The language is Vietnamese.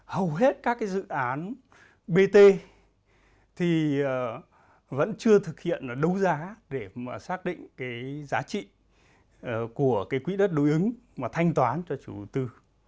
hầu hết các cái dự án bt thì vẫn chưa thực hiện đấu giá để mà xác định cái giá trị của cái quỹ đất đối ứng mà thanh toán cho chủ tư